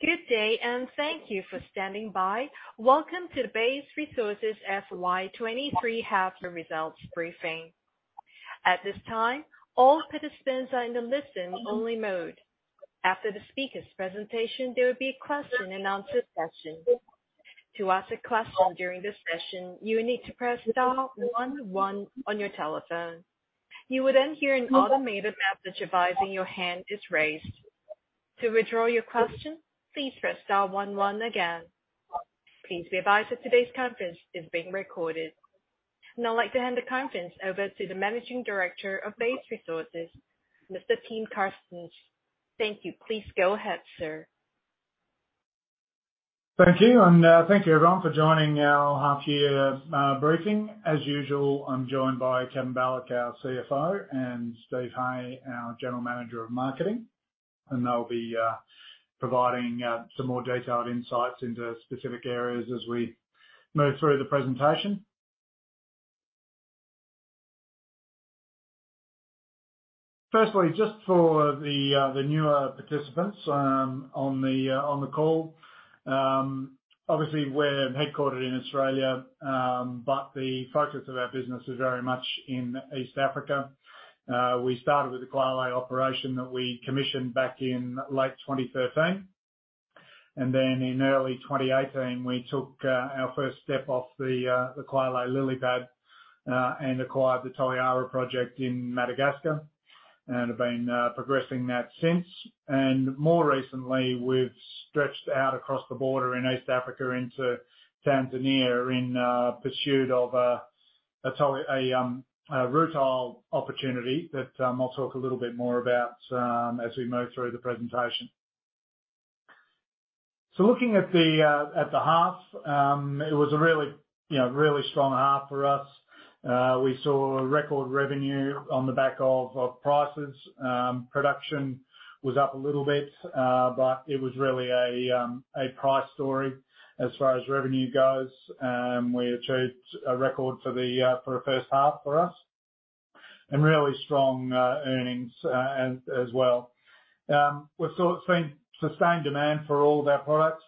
Good day, and thank you for standing by. Welcome to the Base Resources FY23 half year results briefing. At this time, all participants are in the listen-only mode. After the speaker's presentation, there will be a question and answer session. To ask a question during this session, you will need to press star-one-one on your telephone. You will then hear an automated message advising your hand is raised. To withdraw your question, please press star-one-one again. Please be advised that today's conference is being recorded. Now I'd like to hand the conference over to the Managing Director of Base Resources, Mr. Tim Carstens. Thank you. Please go ahead, sir. Thank you, and thank you everyone for joining our half year briefing. As usual, I'm joined by Kevin Balloch, our CFO, and Steve Hay, our General Manager of Marketing. They'll be providing some more detailed insights into specific areas as we move through the presentation. Firstly, just for the newer participants on the call. Obviously we're headquartered in Australia, but the focus of our business is very much in East Africa. We started with the Kwale operation that we commissioned back in late 2013. Then in early 2018 we took our first step off the Kwale lily pad and acquired the Toliara project in Madagascar, and have been progressing that since. More recently, we've stretched out across the border in East Africa into Tanzania in pursuit of a rutile opportunity that I'll talk a little bit more about as we move through the presentation. Looking at the half, it was a really, you know, really strong half for us. We saw a record revenue on the back of prices. Production was up a little bit, but it was really a price story as far as revenue goes. We achieved a record for the first half for us and really strong earnings as well. It's been sustained demand for all of our products.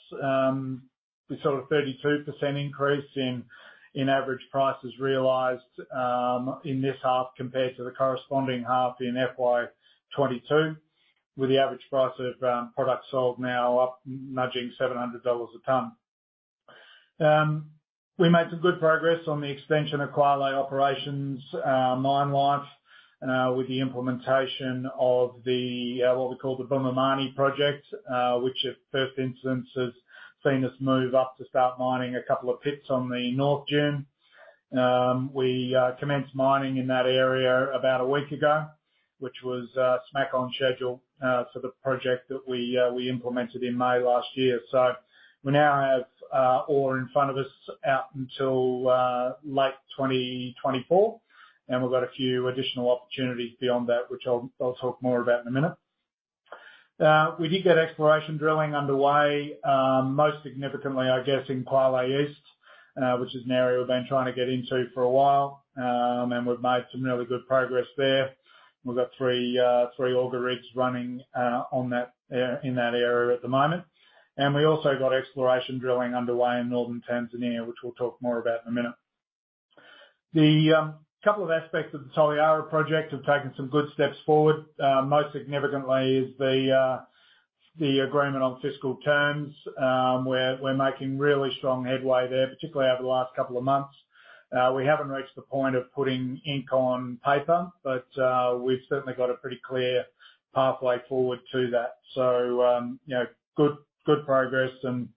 We saw a 32% increase in average prices realized, in this half compared to the corresponding half in FY22, with the average price of, products sold now up nudging $700 a ton. We made some good progress on the extension of Kwale Operations mine life, with the implementation of the, what we call the Bumamani Project, which at first instance has seen us move up to start mining a couple of pits on the North Dune. We commenced mining in that area about a week ago, which was smack on schedule, for the project that we implemented in May last year. We now have ore in front of us out until late 2024, and we've got a few additional opportunities beyond that, which I'll talk more about in a minute. We did get exploration drilling underway, most significantly, I guess, in Kwale East, which is an area we've been trying to get into for a while. We've made some really good progress there. We've got three auger rigs running in that area at the moment. We also got exploration drilling underway in Northern Tanzania, which we'll talk more about in a minute. The couple of aspects of the Toliara project have taken some good steps forward. Most significantly is the agreement on fiscal terms, where we're making really strong headway there, particularly over the last couple of months. We haven't reached the point of putting ink on paper, we've certainly got a pretty clear pathway forward to that. You know, good progress and,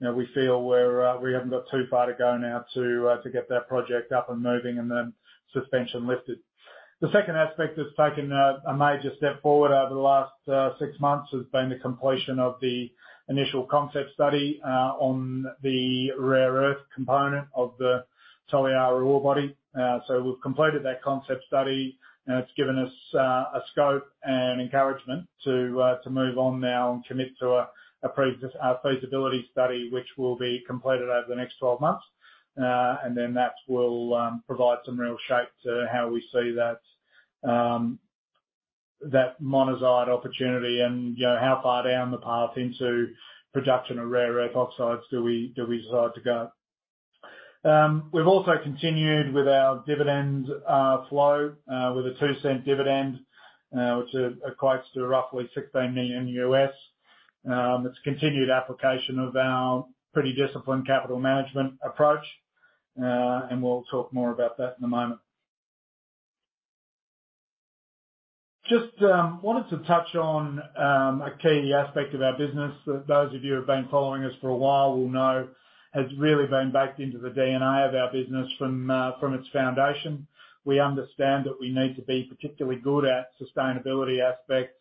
you know, we feel we're, we haven't got too far to go now to get that project up and moving and then suspension lifted. The second aspect that's taken a major step forward over the last six months has been the completion of the initial concept study on the rare earth component of the Toliara ore body. We've completed that concept study and it's given us a scope and encouragement to move on now and commit to a pre-feasibility study which will be completed over the next 12 months. That will provide some real shape to how we see that monazite opportunity and you know, how far down the path into production of rare earth oxides do we decide to go. We've also continued with our dividend flow with a 0.02 dividend, which equates to roughly $16 million. It's continued application of our pretty disciplined capital management approach, and we'll talk more about that in a moment. Just wanted to touch on a key aspect of our business that those of you who have been following us for a while will know has really been baked into the DNA of our business from its foundation. We understand that we need to be particularly good at sustainability aspects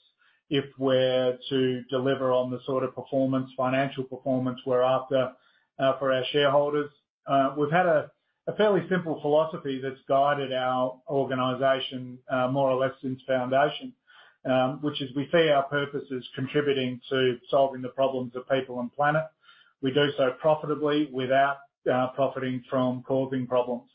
if we're to deliver on the sort of performance, financial performance we're after for our shareholders. We've had a fairly simple philosophy that's guided our organization more or less since foundation, which is we see our purpose as contributing to solving the problems of people and planet. We do so profitably without profiting from causing problems.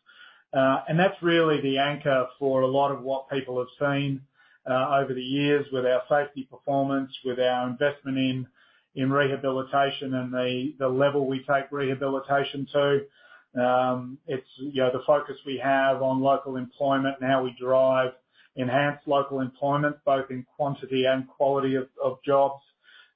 That's really the anchor for a lot of what people have seen over the years with our safety performance, with our investment in rehabilitation and the level we take rehabilitation to. It's, you know, the focus we have on local employment and how we drive enhanced local employment, both in quantity and quality of jobs,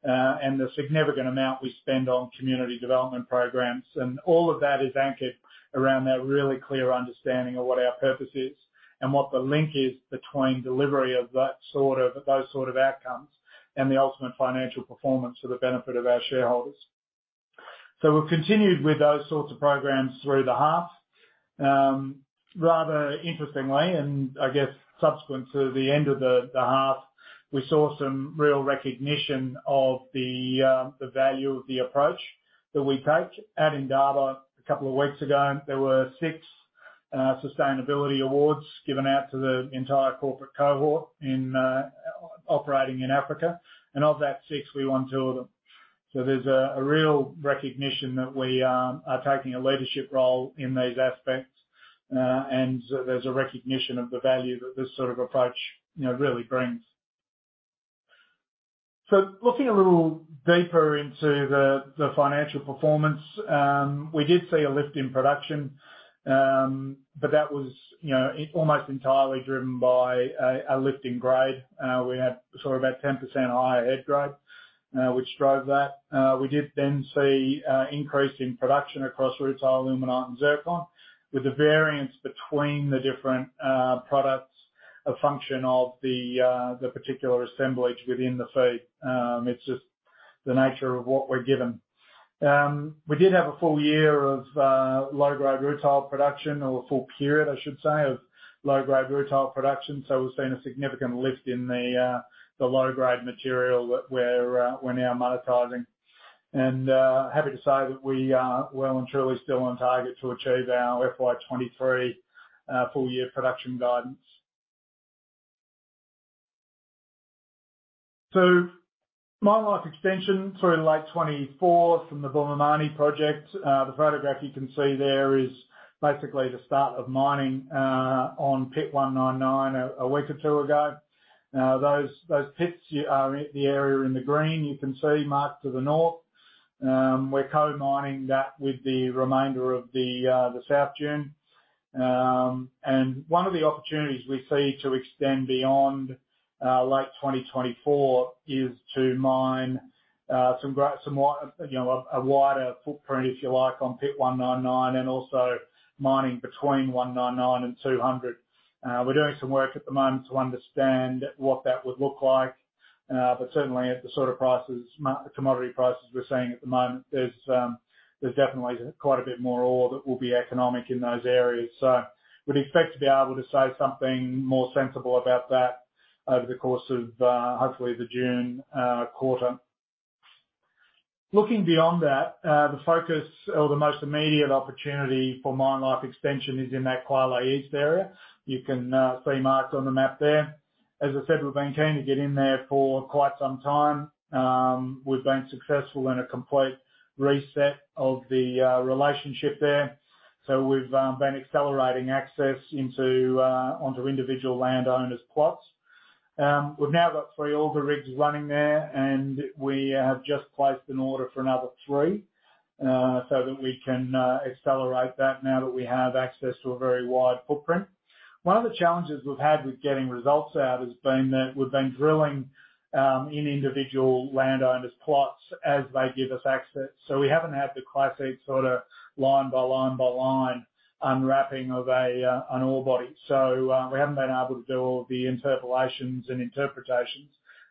and the significant amount we spend on community development programs. All of that is anchored around that really clear understanding of what our purpose is and what the link is between delivery of those sort of outcomes and the ultimate financial performance for the benefit of our shareholders. We've continued with those sorts of programs through the half. Rather interestingly, and I guess subsequent to the end of the half, we saw some real recognition of the value of the approach that we take. At Indaba a couple of weeks ago, there were six sustainability awards given out to the entire corporate cohort in operating in Africa. Of that six, we won two of them. There's a real recognition that we are taking a leadership role in these aspects, and there's a recognition of the value that this sort of approach, you know, really brings. Looking a little deeper into the financial performance, we did see a lift in production, but that was, you know, almost entirely driven by a lift in grade. We had sort of about 10% higher head grade, which drove that. We did then see increase in production across rutile, ilmenite, and zircon, with the variance between the different products, a function of the particular assemblage within the feed. It's just the nature of what we're given. We did have a full year of low-grade rutile production, or a full period, I should say, of low-grade rutile production. We've seen a significant lift in the low-grade material that we're now monetizing. Happy to say that we are well and truly still on target to achieve our FY23 full year production guidance. Mine life extension through late 2024 from the Bumamani Project. The photograph you can see there is basically the start of mining on Pit 199a, a week or two ago. Those pits the area in the green, you can see marked to the north. We're co-mining that with the remainder of the South Dune. One of the opportunities we see to extend beyond late 2024 is to mine some you know, a wider footprint, if you like, on Pit 199, and also mining between 199 and 200. We're doing some work at the moment to understand what that would look like. Certainly at the sort of prices, commodity prices we're seeing at the moment, there's definitely quite a bit more ore that will be economic in those areas. We'd expect to be able to say something more sensible about that over the course of hopefully the June quarter. Looking beyond that, the focus or the most immediate opportunity for mine life extension is in that Kwale East area. You can see marked on the map there. As I said, we've been keen to get in there for quite some time. We've been successful in a complete reset of the relationship there. We've been accelerating access into onto individual landowners' plots. We've now got three auger rigs running there, and we have just placed an order for another three, so that we can accelerate that now that we have access to a very wide footprint. One of the challenges we've had with getting results out has been that we've been drilling in individual landowners' plots as they give us access. We haven't had the classic sort of line by line by line unwrapping of an ore body. We haven't been able to do all the interpolations and interpretations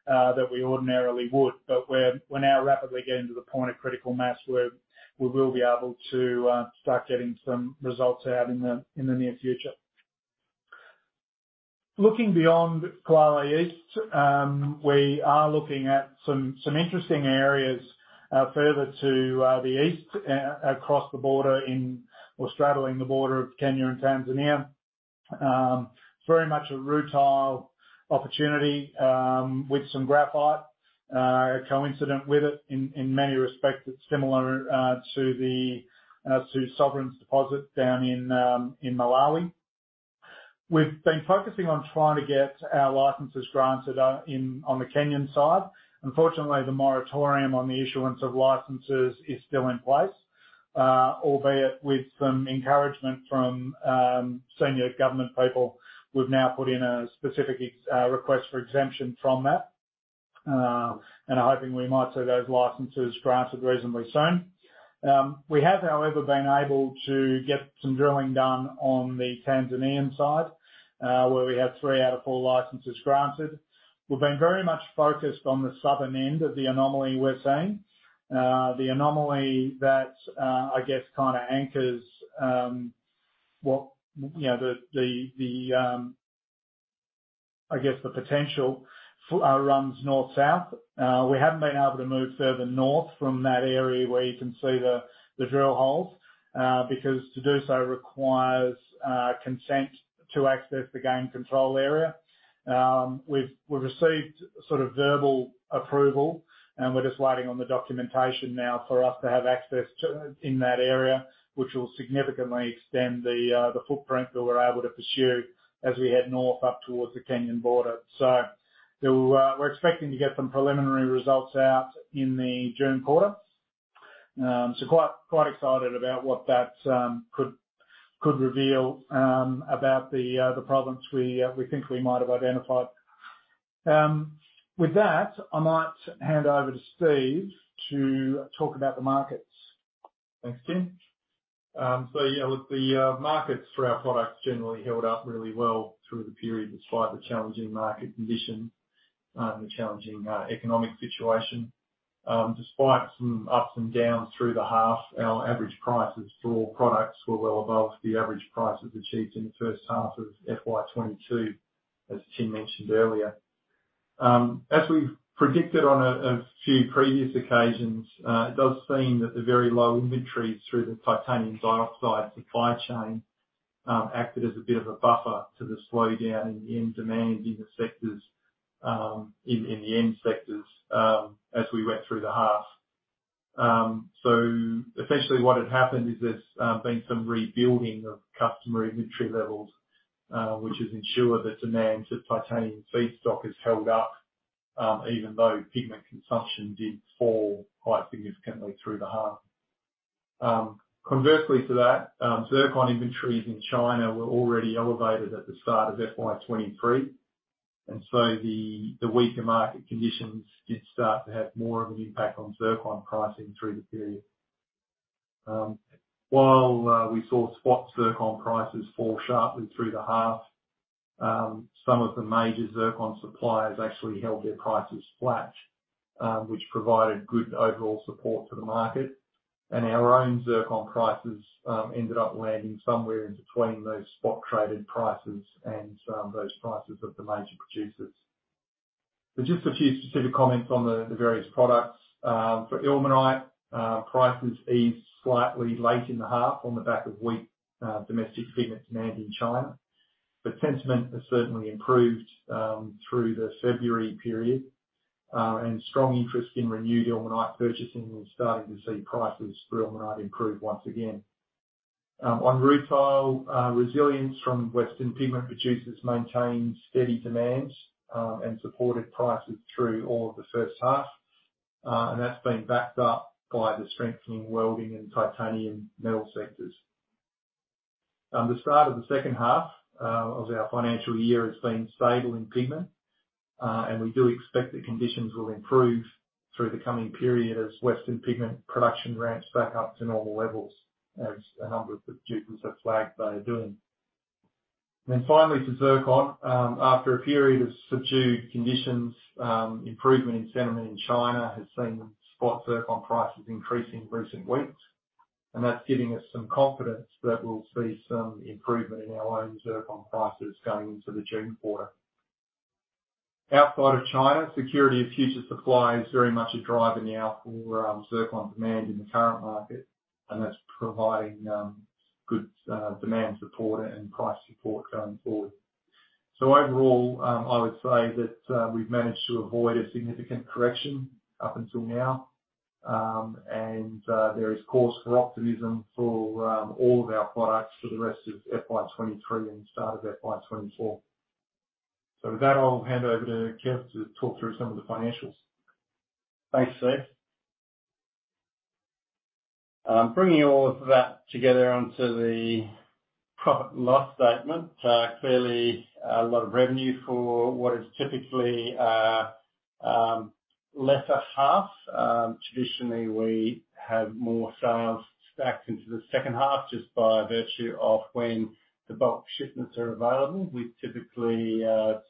that we ordinarily would. We're now rapidly getting to the point of critical mass where we will be able to start getting some results out in the near future. Looking beyond Kwale East, we are looking at some interesting areas further to the east across the border in, or straddling the border of Kenya and Tanzania. It's very much a rutile opportunity with some graphite coincident with it. In many respects, it's similar to the Sovereign's deposit down in Malawi. We've been focusing on trying to get our licenses granted on the Kenyan side. Unfortunately, the moratorium on the issuance of licenses is still in place, albeit with some encouragement from senior government people, we've now put in a specific request for exemption from that. And are hoping we might see those licenses granted reasonably soon. We have, however, been able to get some drilling done on the Tanzanian side, where we have three out of four licenses granted. We've been very much focused on the southern end of the anomaly we're seeing. The anomaly that, I guess, kind of anchors, what, you know, the, the, I guess the potential runs north-south. We haven't been able to move further north from that area where you can see the drill holes, because to do so requires consent to access the game control area. We've received sort of verbal approval, and we're just waiting on the documentation now for us to have access to, in that area, which will significantly extend the footprint that we're able to pursue as we head north up towards the Kenyan border. We're expecting to get some preliminary results out in the June quarter. Quite excited about what that could reveal about the problems we think we might have identified. With that, I might hand over to Steve to talk about the markets. Thanks, Tim. The markets for our products generally held up really well through the period, despite the challenging market conditions and the challenging economic situation. Despite some ups and downs through the half, our average prices for products were well above the average prices achieved in the first half of FY22, as Tim mentioned earlier. As we've predicted on a few previous occasions, it does seem that the very low inventories through the titanium dioxide supply chain acted as a bit of a buffer to the slowdown in end demand in the end sectors as we went through the half. Essentially what had happened is there's been some rebuilding of customer inventory levels, which has ensured that demand to titanium feedstock has held up, even though pigment consumption did fall quite significantly through the half. Conversely to that, zircon inventories in China were already elevated at the start of FY23, the weaker market conditions did start to have more of an impact on zircon pricing through the period. While we saw spot zircon prices fall sharply through the half, some of the major zircon suppliers actually held their prices flat, which provided good overall support to the market. Our own zircon prices ended up landing somewhere in between those spot-traded prices and those prices of the major producers. Just a few specific comments on the various products. For ilmenite, prices eased slightly late in the half on the back of weak domestic pigment demand in China. Sentiment has certainly improved through the February period, and strong interest in renewed ilmenite purchasing is starting to see prices for ilmenite improve once again. On rutile, resilience from Western pigment producers maintained steady demand and supported prices through all of the first half. That's been backed up by the strengthening welding and titanium metal sectors. The start of the second half of our financial year has been stable in pigment, and we do expect that conditions will improve through the coming period as Western pigment production ramps back up to normal levels, as a number of producers have flagged they are doing. Finally, to zircon. After a period of subdued conditions, improvement in sentiment in China has seen spot zircon prices increase in recent weeks. That's giving us some confidence that we'll see some improvement in our own zircon prices going into the June quarter. Outside of China, security of future supply is very much a driver now for zircon demand in the current market, and that's providing good demand support and price support going forward. Overall, I would say that we've managed to avoid a significant correction up until now, and there is cause for optimism for all of our products for the rest of FY23 and the start of FY24. With that, I'll hand over to Kev to talk through some of the financials. Thanks, Steve. Bringing all of that together onto the profit and loss statement, clearly a lot of revenue for what is typically a lesser half. Traditionally, we have more sales stacked into the second half, just by virtue of when the bulk shipments are available. We typically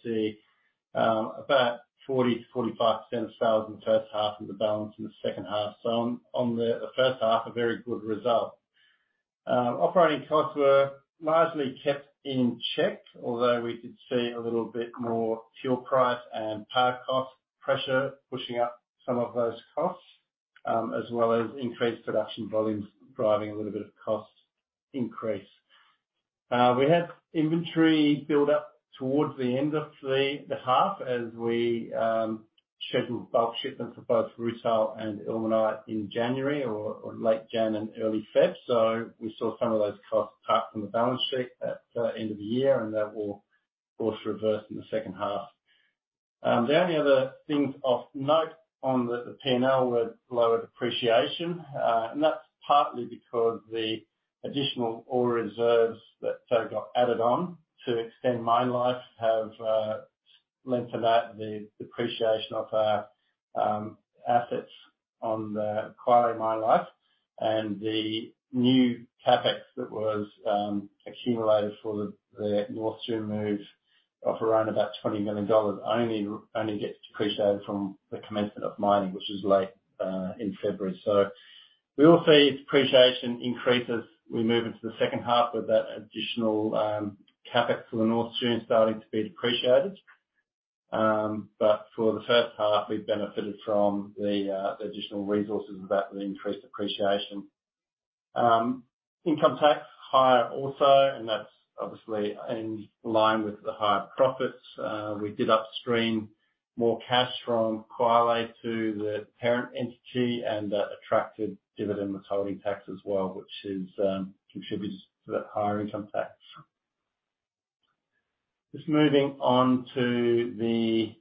see about 40%-45% of sales in the first half, and the balance in the second half. On the first half, a very good result. Operating costs were largely kept in check, although we did see a little bit more fuel price and power cost pressure pushing up some of those costs, as well as increased production volumes driving a little bit of cost increase. We had inventory build up towards the end of the half as we scheduled bulk shipments for both rutile and ilmenite in January or late January and early February. We saw some of those costs apart from the balance sheet at end of the year, and that will of course reverse in the second half. The only other things of note on the P&L were lower depreciation, and that's partly because the additional ore reserves that got added on to extend mine life have lent to that, the depreciation of our assets on the Kwale mine life. The new CapEx that was accumulated for the North Dune move of around about $20 million only gets depreciated from the commencement of mining, which is late in February. We will see depreciation increase as we move into the second half of that additional CapEx for the North Dune starting to be depreciated. For the first half, we benefited from the additional resources of that with increased depreciation. Income tax higher also, and that's obviously in line with the higher profits. We did upstream more cash from Kwale to the parent entity, and that attracted dividend withholding tax as well, which is contributes to that higher income tax. Just moving on. If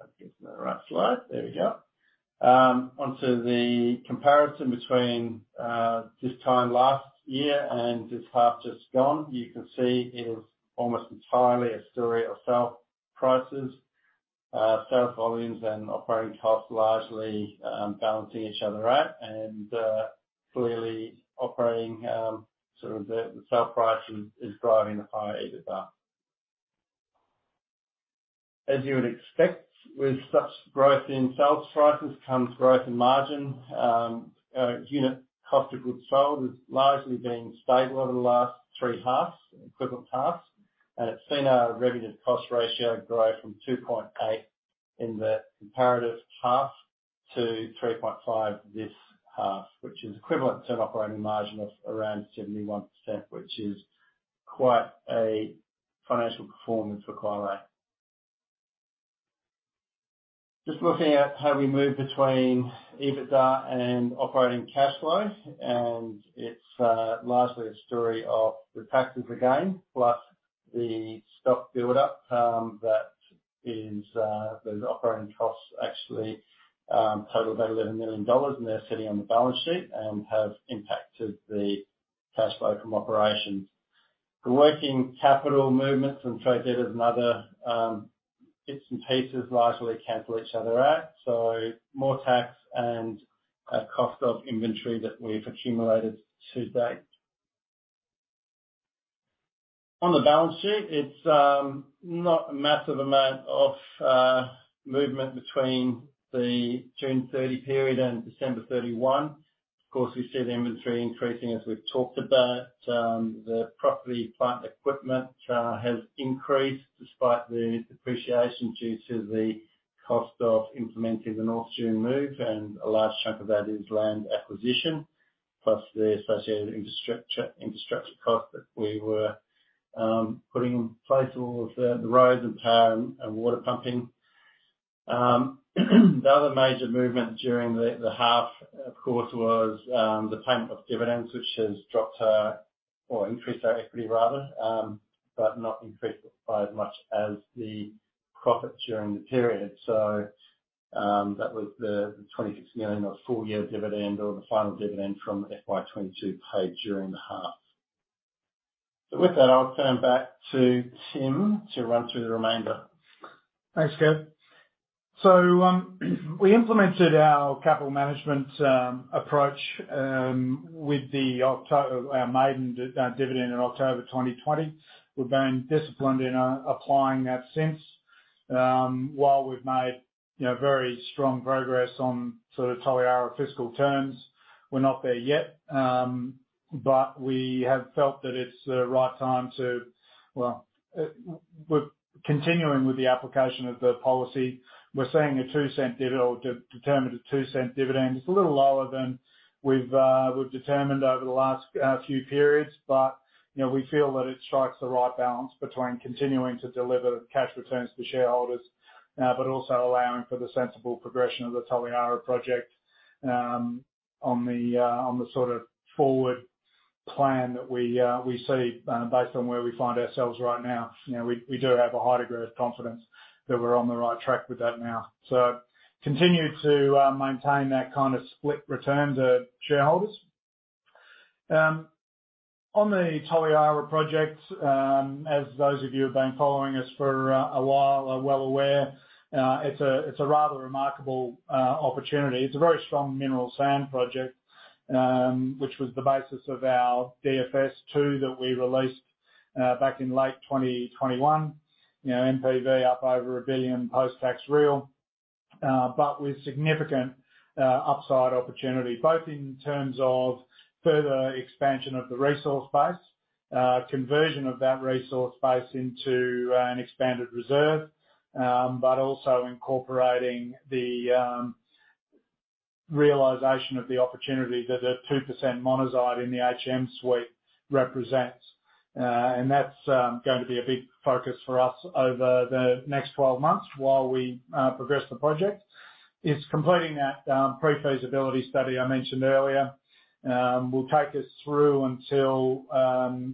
I can get to the right slide. There we go. Onto the comparison between this time last year and this half just gone. You can see it is almost entirely a story of sale prices, sales volumes and operating costs, largely balancing each other out. Clearly operating, sort of the sale price is driving the higher EBITDA. As you would expect, with such growth in sales prices comes growth in margin. Our unit cost of goods sold has largely been stable over the last three halves, equivalent halves. It's seen our revenue cost ratio grow from 2.8 in the comparative half to 3.5 this half, which is equivalent to an operating margin of around 71%, which is quite a financial performance for Kwale. Just looking at how we move between EBITDA and operating cash flow, largely a story of the taxes again, plus the stock buildup, those operating costs actually total about $11 million and they're sitting on the balance sheet and have impacted the cash flow from operations. The working capital movements and trade debtors and other bits and pieces largely cancel each other out. More tax and a cost of inventory that we've accumulated to date. On the balance sheet, it's not a massive amount of movement between the June 30 period and December 31. Of course, we see the inventory increasing as we've talked about. The property plant equipment has increased despite the depreciation due to the cost of implementing the North Dune move, and a large chunk of that is land acquisition, plus the associated infrastructure cost that we were putting in place, all of the roads and power and water pumping. The other major movement during the half, of course, was the payment of dividends, which has dropped our, or increased our equity rather, but not increased by as much as the profit during the period. That was the $26 million of full year dividend or the final dividend from FY22 paid during the half. With that, I'll turn back to Tim to run through the remainder. Thanks, Kev. We implemented our capital management approach with our maiden dividend in October 2020. We've been disciplined in applying that since. While we've made, you know, very strong progress on sort of Toliara fiscal terms, we're not there yet. We have felt that it's the right time to... Well, we're continuing with the application of the policy. We're seeing an 0.02 dividend, or determined an 0.02 dividend. It's a little lower than we've determined over the last few periods, but, you know, we feel that it strikes the right balance between continuing to deliver cash returns to shareholders, but also allowing for the sensible progression of the Toliara project on the sort of forward plan that we see based on where we find ourselves right now. You know, we do have a high degree of confidence that we're on the right track with that now. Continue to maintain that kind of split return to shareholders. On the Toliara project, as those of you who have been following us for a while are well aware, it's a rather remarkable opportunity. It's a very strong mineral sands project, which was the basis of our DFS2 that we released back in late 2021. You know, NPV up over $1 billion post-tax real. With significant upside opportunity, both in terms of further expansion of the resource base, conversion of that resource base into an expanded reserve, but also incorporating the realization of the opportunity that the 2% monazite in the HM suite represents. That's going to be a big focus for us over the next 12 months while we progress the project. It's completing that pre-feasibility study I mentioned earlier, will take us through until,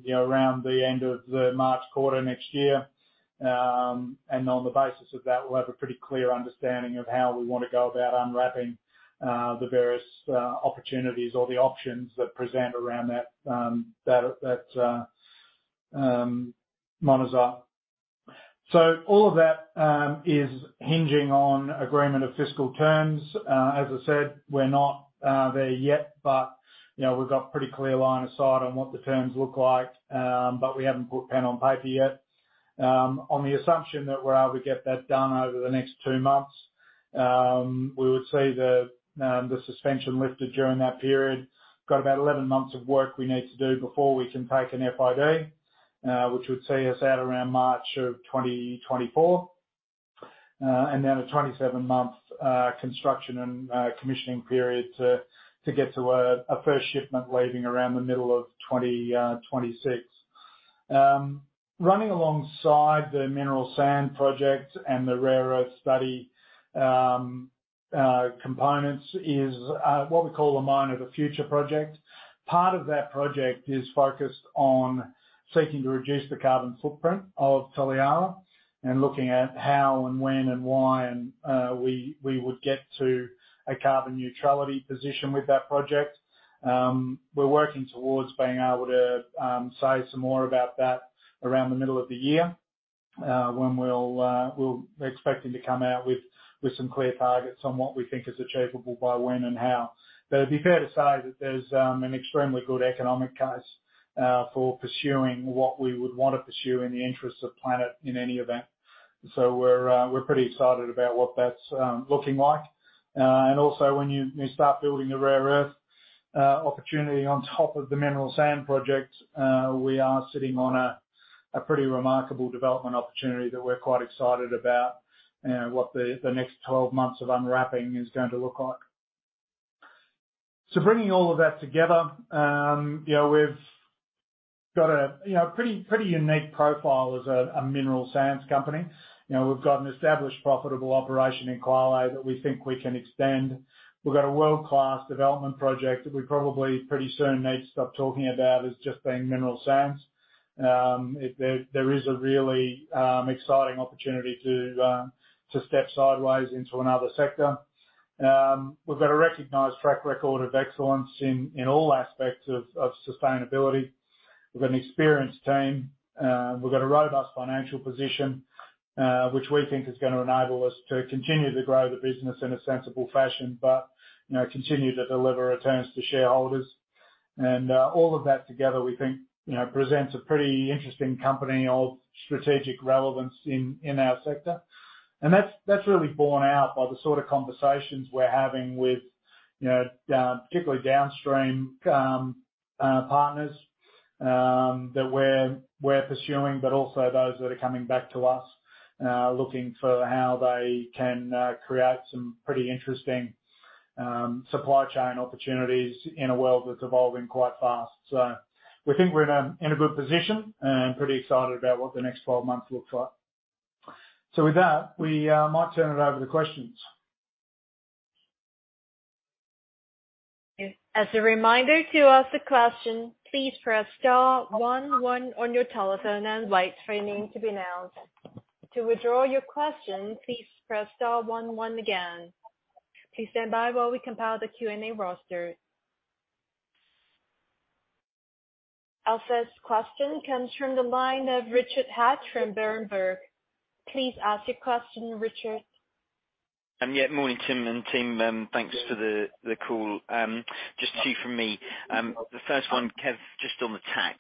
you know, around the end of the March quarter next year. On the basis of that, we'll have a pretty clear understanding of how we want to go about unwrapping the various opportunities or the options that present around that monazite. All of that is hinging on agreement of fiscal terms. As I said, we're not there yet, but, you know, we've got pretty clear line of sight on what the terms look like, but we haven't put pen on paper yet. On the assumption that we're able to get that done over the next 2 months, we would see the suspension lifted during that period. Got about 11 months of work we need to do before we can take an FID, which would see us out around March of 2024. A 27 month construction and commissioning period to get to a first shipment leaving around the middle of 2026. Running alongside the mineral sand project and the rare earth study components is what we call the mine of the future project. Part of that project is focused on seeking to reduce the carbon footprint of Toliara and looking at how and when and why and we would get to a carbon neutrality position with that project. We're working towards being able to say some more about that around the middle of the year when we're expecting to come out with some clear targets on what we think is achievable by when and how. It'd be fair to say that there's an extremely good economic case for pursuing what we would want to pursue in the interests of planet in any event. We're pretty excited about what that's looking like. Also, when you start building the rare earth opportunity on top of the mineral sands project, we are sitting on a pretty remarkable development opportunity that we're quite excited about what the next 12 months of unwrapping is going to look like. Bringing all of that together, you know, we've got a, you know, pretty unique profile as a mineral sands company. You know, we've got an established profitable operation in Kwale that we think we can extend. We've got a world-class development project that we probably pretty soon need to stop talking about as just being mineral sands. There is a really exciting opportunity to step sideways into another sector. We've got a recognized track record of excellence in all aspects of sustainability. We've an experienced team. We've got a robust financial position, which we think is gonna enable us to continue to grow the business in a sensible fashion, but, you know, continue to deliver returns to shareholders. All of that together, we think, you know, presents a pretty interesting company of strategic relevance in our sector. That's really borne out by the sort of conversations we're having with, you know, particularly downstream partners, that we're pursuing, but also those that are coming back to us, looking for how they can create some pretty interesting supply chain opportunities in a world that's evolving quite fast. We think we're in a good position and pretty excited about what the next 12 months looks like. With that, we might turn it over to questions. As a reminder, to ask a question, please press star one one on your telephone and wait for your name to be announced. To withdraw your question, please press star one one again. Please stand by while we compile the Q&A roster. Our first question comes from the line of Richard Hatch from Berenberg. Please ask your question, Richard. Yeah, morning, Tim and team. Thanks for the call. Just two from me. The first one, Kev, just on the tax,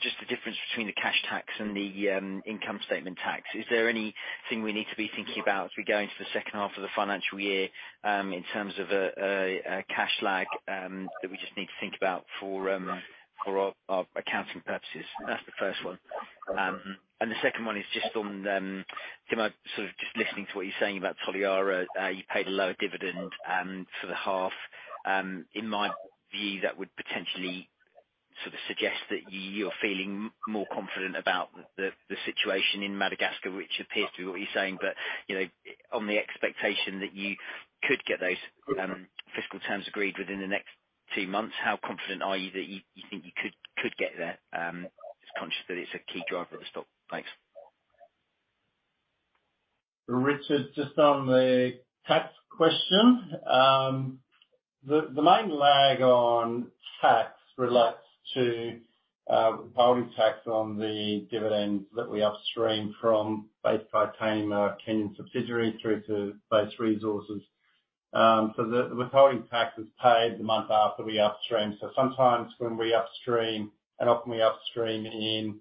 just the difference between the cash tax and the income statement tax. Is there anything we need to be thinking about as we go into the second half of the financial year, in terms of a cash lag, that we just need to think about for our accounting purposes? That's the first one. The second one is just on, Tim, sort of just listening to what you're saying about Toliara, you paid a lower dividend for the half. In my view, that would potentially sort of suggest that you're feeling more confident about the situation in Madagascar, which appears to be what you're saying. You know, on the expectation that you could get those fiscal terms agreed within the next two months, how confident are you that you think you could get there? Just conscious that it's a key driver of the stock. Thanks. Richard, just on the tax question. The main lag on tax relates to withholding tax on the dividends that we upstream from both our Base Titanium Kenyan subsidiary through to Base Resources. The withholding tax is paid the month after we upstream. Sometimes when we upstream, and often we upstream in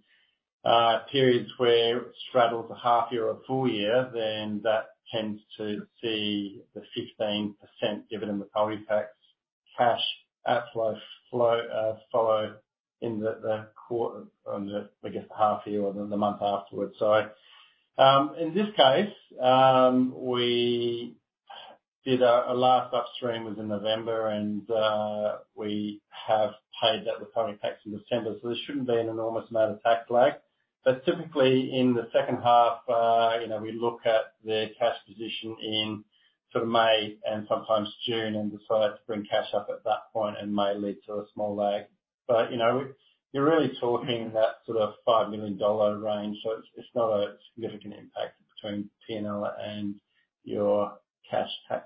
periods where it straddles a half year or a full year, then that tends to see the 15% dividend withholding tax cash outflow follow in the half year or the month afterward. In this case, we did a last upstream was in November and we have paid that withholding tax in December, so there shouldn't be an enormous amount of tax lag. Typically in the second half, you know, we look at the cash position in sort of May and sometimes June and decide to bring cash up at that point and may lead to a small lag. you know, you're really talking that sort of $5 million range, so it's not a significant impact between P&L and your cash tax.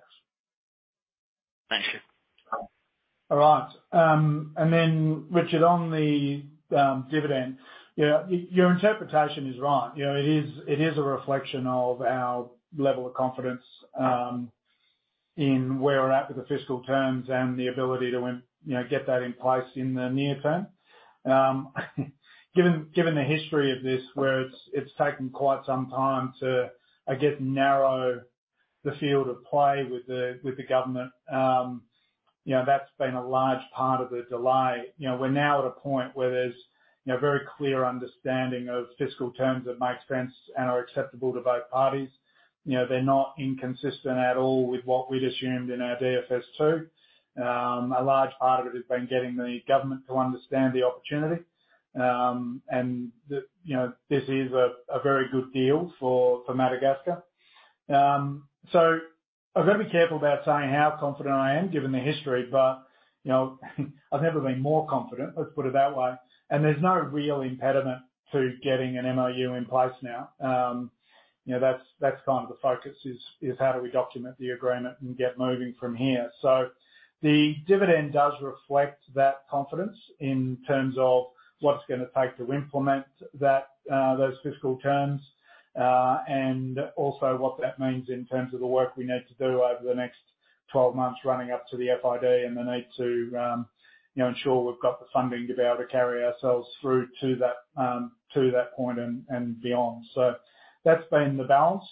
Thank you. All right. Richard, on the dividend. Yeah, your interpretation is right. You know, it is a reflection of our level of confidence, in where we're at with the fiscal terms and the ability to, you know, get that in place in the near term. Given the history of this where it's taken quite some time to, I guess, narrow the field of play with the government, you know, that's been a large part of the delay. You know, we're now at a point where there's, you know, very clear understanding of fiscal terms that make sense and are acceptable to both parties. You know, they're not inconsistent at all with what we'd assumed in our DFS2. A large part of it has been getting the government to understand the opportunity. The, you know, this is a very good deal for Madagascar. I've got to be careful about saying how confident I am given the history, but, you know, I've never been more confident, let's put it that way. There's no real impediment to getting an MOU in place now. You know, that's kind of the focus is how do we document the agreement and get moving from here. The dividend does reflect that confidence in terms of what it's gonna take to implement that, those fiscal terms, and also what that means in terms of the work we need to do over the next 12 months running up to the FID and the need to, you know, ensure we've got the funding to be able to carry ourselves through to that, to that point and beyond. That's been the balance.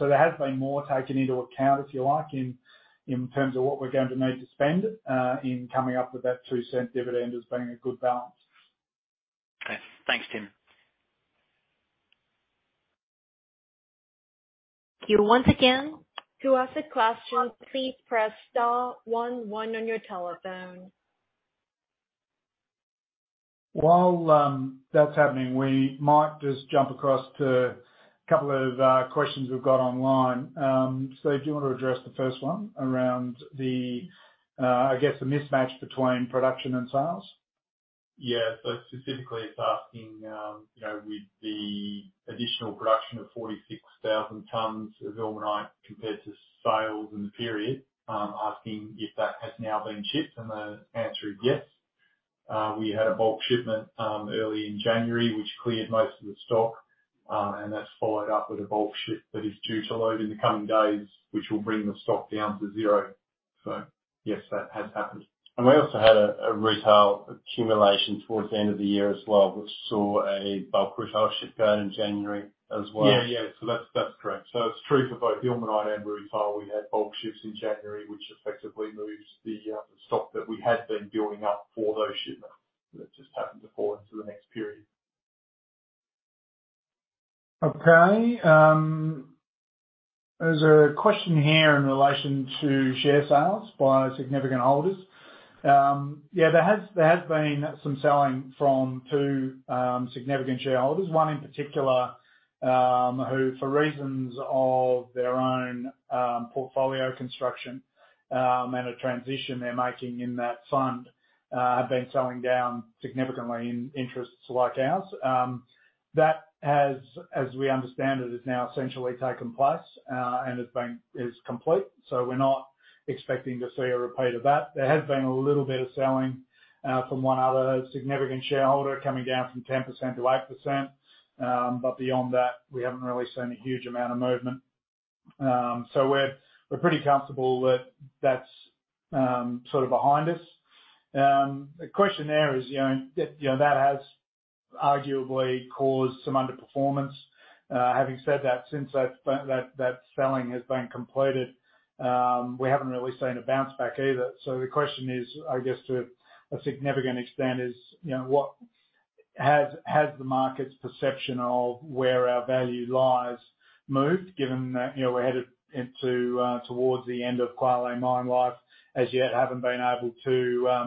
There has been more taken into account, if you like, in terms of what we're going to need to spend, in coming up with that 0.02 dividend as being a good balance. Okay. Thanks, Tim. You once again. To ask a question, please press star one one on your telephone. While that's happening, we might just jump across to a couple of questions we've got online. Steve, do you want to address the first one around the I guess the mismatch between production and sales? Yeah. Specifically it's asking, you know, with the additional production of 46,000 tons of ilmenite compared to sales in the period, asking if that has now been shipped, and the answer is yes. We had a bulk shipment early in January, which cleared most of the stock. That's followed up with a bulk ship that is due to load in the coming days, which will bring the stock down to zero. Yes, that has happened. We also had a retail accumulation towards the end of the year as well, which saw a bulk retail ship go in January as well. Yeah. Yeah. That's, that's correct. It's true for both ilmenite and rutile. We had bulk ships in January, which effectively moves the stock that we had been building up for those shipments. That just happened to fall into the next period. Okay. There's a question here in relation to share sales by significant holders. There has been some selling from two significant shareholders. One in particular, who, for reasons of their own, portfolio construction, and a transition they're making in that fund, have been selling down significantly in interests like ours. That has, as we understand it, has now essentially taken place and is complete. We're not expecting to see a repeat of that. There has been a little bit of selling from one other significant shareholder coming down from 10% to 8%. Beyond that, we haven't really seen a huge amount of movement. We're pretty comfortable that that's sort of behind us. The question there is, you know, that, you know, that has arguably caused some underperformance. Having said that, since that's been, that selling has been completed, we haven't really seen a bounce back either. The question is, I guess, to a significant extent is, you know, what has the market's perception of where our value lies moved, given that, you know, we're headed into towards the end of Kwale mine life, as yet haven't been able to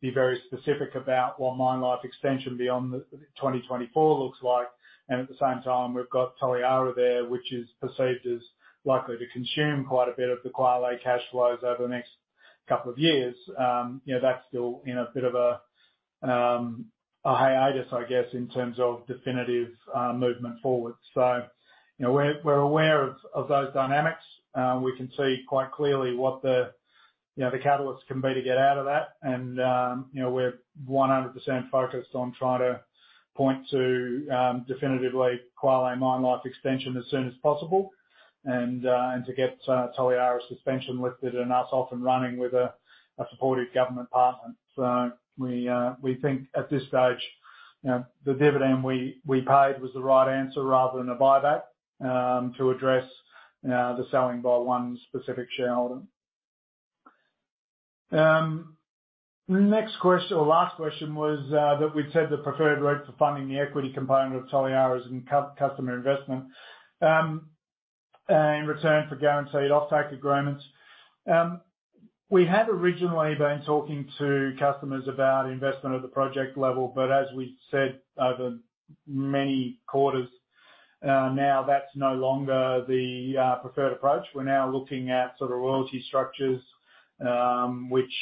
be very specific about what mine life extension beyond the 2024 looks like. At the same time, we've got Toliara there, which is perceived as likely to consume quite a bit of the Kwale cash flows over the next couple of years. You know, that's still in a bit of a hiatus, I guess, in terms of definitive movement forward. You know, we're aware of those dynamics. We can see quite clearly what the, you know, the catalysts can be to get out of that. You know, we're 100% focused on trying to point to definitively Kwale mine life extension as soon as possible and to get Toliara suspension lifted and us off and running with a supportive government partner. We think at this stage, you know, the dividend we paid was the right answer rather than a buyback to address the selling by one specific shareholder. Next question or last question was that we'd set the preferred route for funding the equity component of Toliara's in customer investment in return for guaranteed off-take agreements. We had originally been talking to customers about investment at the project level, but as we said over many quarters, now that's no longer the preferred approach. We're now looking at sort of royalty structures, which,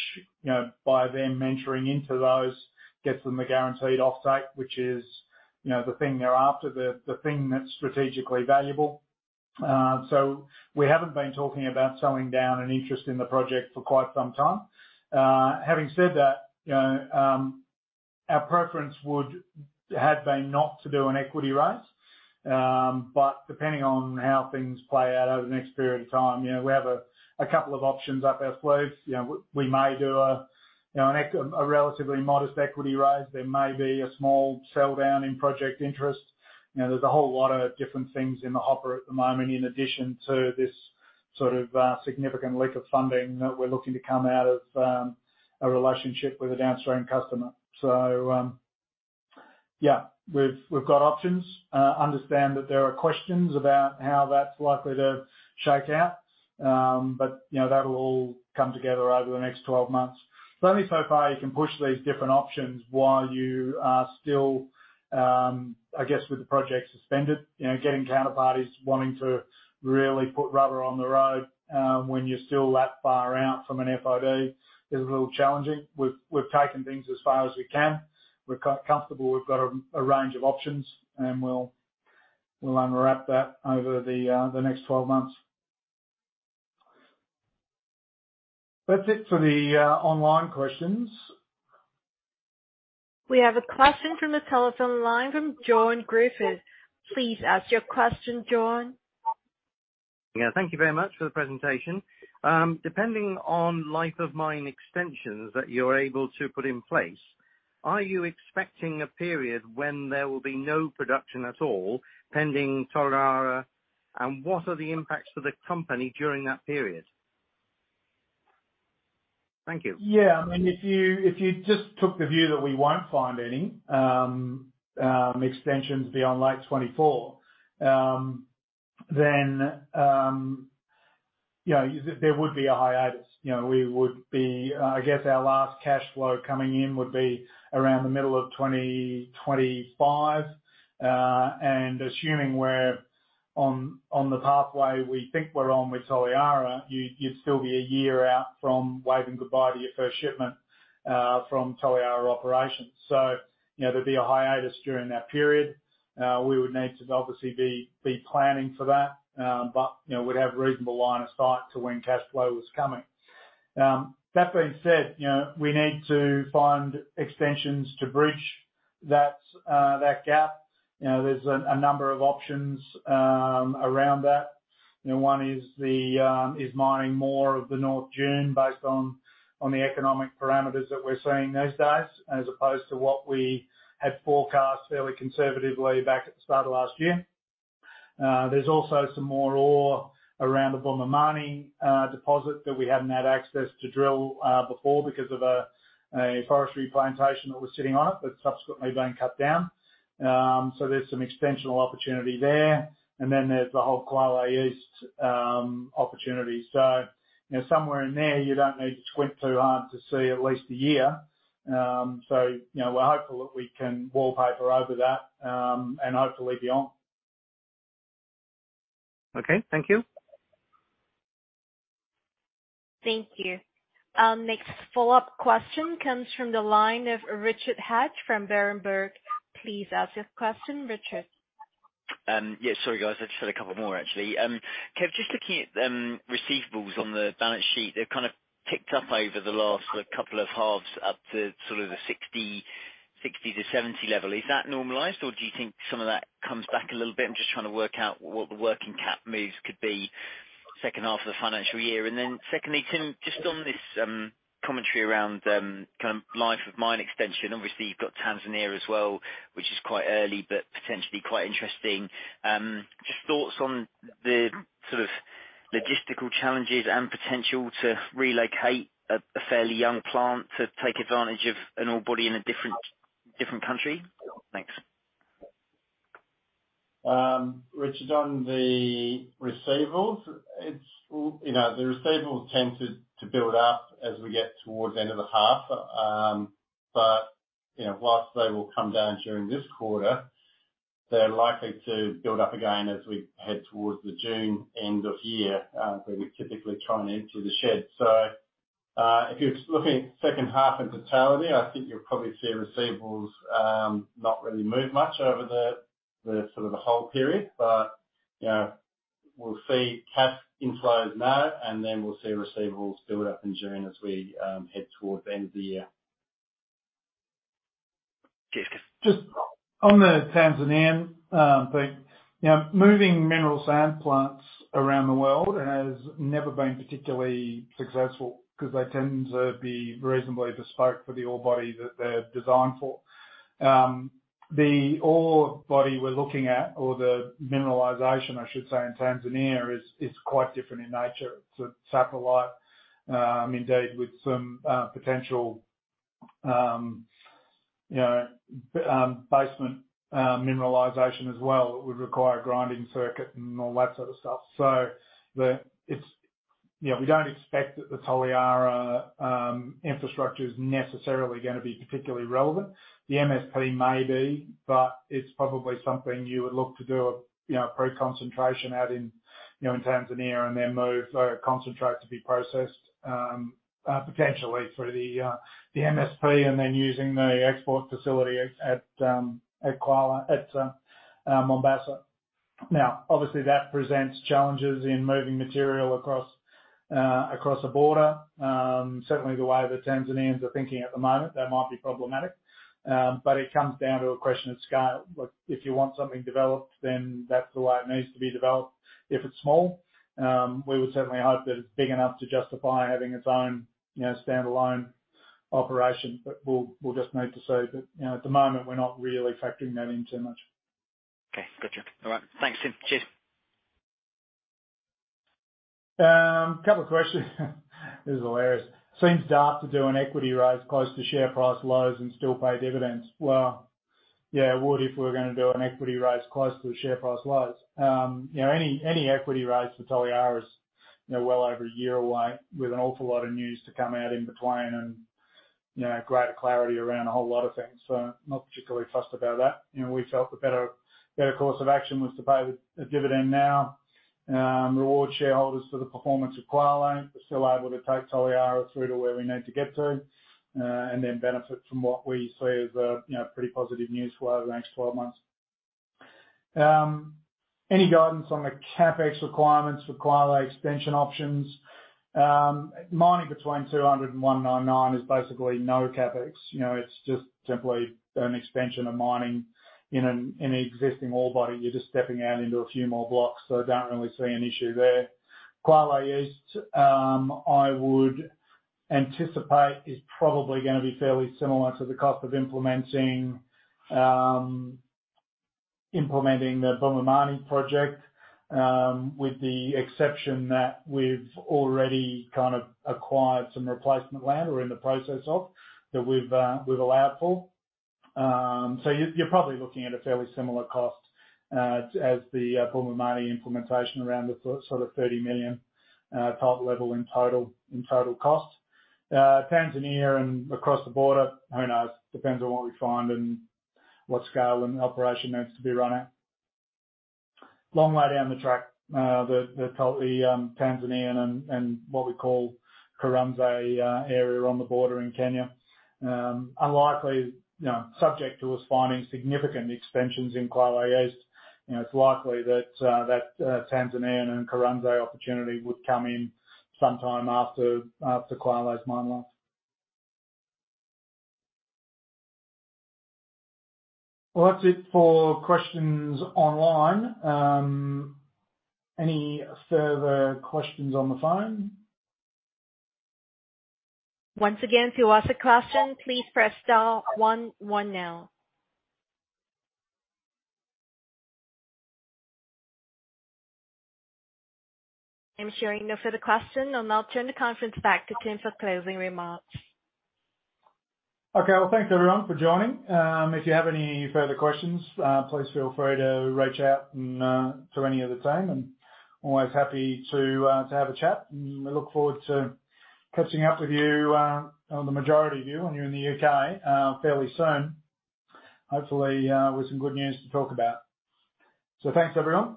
you know, by them entering into those, gets them a guaranteed off-take, which is, you know, the thing they're after, the thing that's strategically valuable. We haven't been talking about selling down an interest in the project for quite some time. Having said that, you know, our preference would have been not to do an equity raise, but depending on how things play out over the next period of time, you know, we have a couple of options up our sleeves. We may do a, you know, a relatively modest equity raise. There may be a small sell-down in project interest. You know, there's a whole lot of different things in the hopper at the moment, in addition to this sort of, significant lick of funding that we're looking to come out of a relationship with a downstream customer. Yeah, we've got options. Understand that there are questions about how that's likely to shake out. But, you know, that'll all come together over the next 12 months. It's only so far you can push these different options while you are still, I guess, with the project suspended. You know, getting counterparties wanting to really put rubber on the road, when you're still that far out from an FID is a little challenging. We've taken things as far as we can. We're comfortable we've got a range of options, and we'll unwrap that over the next 12 months. That's it for the online questions. We have a question from the telephone line from John Griffith. Please ask your question, John. Yeah, thank you very much for the presentation. Depending on life of mine extensions that you're able to put in place, are you expecting a period when there will be no production at all pending Toliara? What are the impacts for the company during that period? Thank you. Yeah. I mean, if you, if you just took the view that we won't find any extensions beyond late 2024, then, you know, there would be a hiatus. You know, we would be, I guess our last cash flow coming in would be around the middle of 2025. Assuming we're on the pathway we think we're on with Toliara, you'd still be a year out from waving goodbye to your first shipment from Toliara operations. You know, there'd be a hiatus during that period. We would need to obviously be planning for that. You know, we'd have reasonable line of sight to when cash flow was coming. That being said, you know, we need to find extensions to bridge that gap. You know, there's a number of options around that. You know, one is the is mining more of the North Dune based on the economic parameters that we're seeing these days, as opposed to what we had forecast fairly conservatively back at the start of last year. There's also some more ore around the Bumamani deposit that we hadn't had access to drill before because of a forestry plantation that was sitting on it, but subsequently being cut down. There's some extensional opportunity there. Then there's the whole Kwale East opportunity. You know, somewhere in there, you don't need to squint too hard to see at least a year. You know, we're hopeful that we can wallpaper over that and hopefully beyond. Okay, thank you. Thank you. Next follow-up question comes from the line of Richard Hatch from Berenberg. Please ask your question, Richard. Yeah, sorry, guys. I just had a couple more, actually. Kev, just looking at receivables on the balance sheet, they've, kind of, ticked up over the last couple of halves up to sort of the 60-70 level. Is that normalized, or do you think some of that comes back a little bit? I'm just trying to work out what the working cap moves could be second half of the financial year. Secondly, Tim, just on this commentary around kind of life of mine extension, obviously you've got Tanzania as well, which is quite early, but potentially quite interesting. Just thoughts on the sort of logistical challenges and potential to relocate a fairly young plant to take advantage of an ore body in a different country. Thanks. Richard, on the receivables, You know, the receivables tend to build up as we get towards the end of the half. You know, whilst they will come down during this quarter, they're likely to build up again as we head towards the June end of year, where we typically try and empty the shed. If you're looking at second half in totality, I think you'll probably see receivables, not really move much over the sort of the whole period. You know, we'll see cash inflows now, and then we'll see receivables build up in June as we head towards the end of the year. Cheers. Just on the Tanzanian thing. You know, moving mineral sand plants around the world has never been particularly successful because they tend to be reasonably bespoke for the ore body that they're designed for. The ore body we're looking at, or the mineralization, I should say, in Tanzania is quite different in nature. It's a satellite, indeed with some potential, you know, basement mineralization as well, that would require a grinding circuit and all that sort of stuff. It's, you know, we don't expect that the Toliara infrastructure is necessarily gonna be particularly relevant. The MSP may be, but it's probably something you would look to do a, you know, pre-concentration out in, you know, in Tanzania and then move the concentrate to be processed, potentially through the MSP and then using the export facility at Kwale, at Mombasa. Obviously that presents challenges in moving material across a border. Certainly the way the Tanzanians are thinking at the moment, that might be problematic. It comes down to a question of scale. Like, if you want something developed, then that's the way it needs to be developed. If it's small, we would certainly hope that it's big enough to justify having its own, you know, standalone operation. We'll just need to see. You know, at the moment, we're not really factoring that in too much. Okay. Gotcha. All right. Thanks, Tim. Cheers. Couple of questions. This is hilarious. Seems daft to do an equity raise close to share price lows and still pay dividends. Yeah, it would if we're gonna do an equity raise close to the share price lows. you know, any equity raise for Toliara is, you know, well over a year away with an awful lot of news to come out in between and, you know, greater clarity around a whole lot of things. Not particularly fussed about that. You know, we felt the better course of action was to pay the dividend now, reward shareholders for the performance of Kwale. We're still able to take Toliara through to where we need to get to, and then benefit from what we see as a, you know, pretty positive news flow over the next 12 months. Any guidance on the CapEx requirements for Kwale expansion options. Mining between 200 and 199 is basically no CapEx. You know, it's just simply an expansion of mining in an existing ore body. You're just stepping out into a few more blocks, so I don't really see an issue there. Kwale East, I would anticipate is probably gonna be fairly similar to the cost of implementing the Bumamani project. With the exception that we've already kind of acquired some replacement land or in the process of that we've allowed for. You're probably looking at a fairly similar cost as the Bumamani implementation around sort of $30 million type level in total cost. Tanzania and across the border, who knows? Depends on what we find and what scale and operation needs to be run at. Long way down the track, the Tanzanian and what we call Karunzai area on the border in Kenya. Unlikely, you know, subject to us finding significant expansions in Kwale East. You know, it's likely that Tanzanian and Karunzai opportunity would come in sometime after Kwale's mine life. Well, that's it for questions online. Any further questions on the phone? Once again, to ask a question, please press star one one now. I'm showing no further question. I'll now turn the conference back to Tim for closing remarks. Okay. Well, thanks everyone for joining. If you have any further questions, please feel free to reach out and to any of the team and always happy to have a chat. We look forward to catching up with you, or the majority of you when you're in the U.K., fairly soon, hopefully, with some good news to talk about. Thanks, everyone.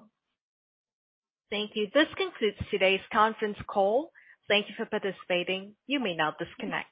Thank you. This concludes today's conference call. Thank you for participating. You may now disconnect.